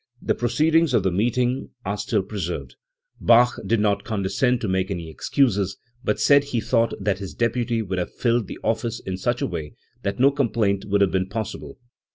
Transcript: The proceedings of the meeting are still preserved*. Bach did not condescend to make any excuses, but said he thought that his deputy would have filled the office in such a way that no complaint would have been possible.